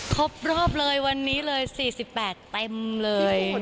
ครบรอบเลยวันนี้เลย๔๘เต็มเลย